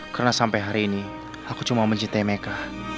karena sampai hari ini aku cuma mencintai mereka